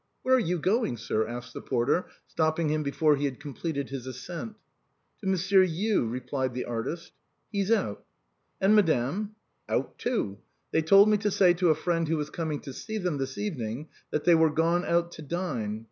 " Where are you going, sir ?" asked the porter, stopping him before he had completed his ascent. " To Monsieur U," replied the artist. " He's out." " And madame ?"" Out too. They told me to say to a friend who was coming to see them this evening, that they were gone out to dine.